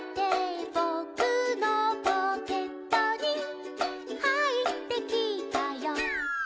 「ぼくのポケットにはいってきたよ」